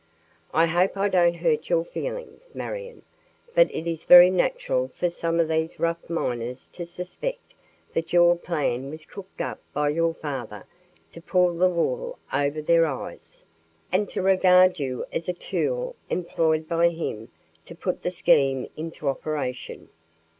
I hope I don't hurt your feelings, Marion, but it is very natural for some of these rough miners to suspect that your plan was cooked up by your father to pull the wool over their eyes, and to regard you as a tool employed by him to put the scheme into operation."